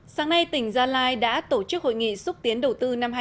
sáng nay tỉnh gia lai đã tổ chức hội nghị xúc tiến đầu tư năm hai nghìn hai mươi